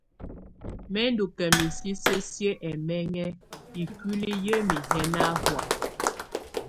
Mɛ̀ ndù ka misisǝ siǝ́ ɛmɛŋɛ ikuili yǝmi yɛ na hɔ̀á.